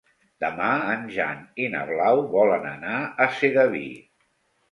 Demà en Jan i na Blau volen anar a Sedaví.